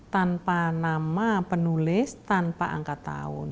tanpa nama penulis tanpa angka tahun